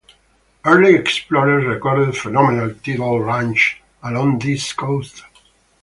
Early explorers recorded phenomenal tidal ranges along this coast.